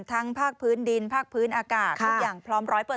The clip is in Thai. ภาคพื้นดินภาคพื้นอากาศทุกอย่างพร้อม๑๐๐